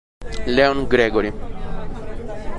Leon Gregory